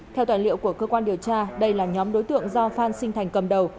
theo tài liệu của cơ quan điều tra đây là nhóm đối tượng do phan sinh thành cầm đầu